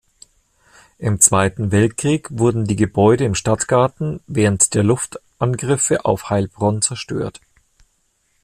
Im Zweiten Weltkrieg wurden die Gebäude im Stadtgarten während der Luftangriffe auf Heilbronn zerstört.